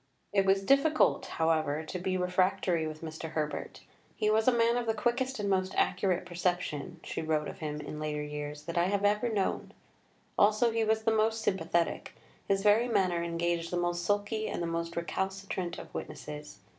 It was difficult, however, to be refractory with Mr. Herbert. "He was a man of the quickest and most accurate perception," she wrote of him in later years, "that I have ever known. Also he was the most sympathetic. His very manner engaged the most sulky and the most recalcitrant of witnesses.